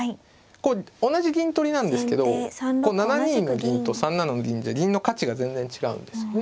こう同じ銀取りなんですけど７二の銀と３七の銀じゃ銀の価値が全然違うんですよね。